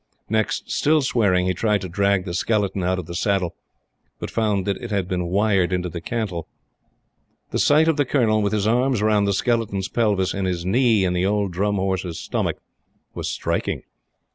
Next, still swearing, he tried to drag the skeleton out of the saddle, but found that it had been wired into the cantle. The sight of the Colonel, with his arms round the skeleton's pelvis and his knee in the old Drum Horse's stomach, was striking.